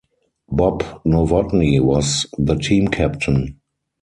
Bob Novotny was the team captain.